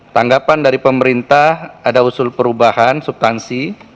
tanggapan dari pemerintah ada usul perubahan subtansi